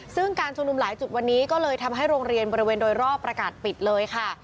ซึ่งการชุมนุมหลายจุดวันนี้ก็เลยทำให้โรงเรียนบริเวณโดยรอบประกาศปิดเลยค่ะ